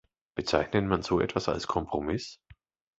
Bezeichnet man so etwas als Kompromiss?